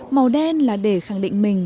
màu đen là để khẳng định mình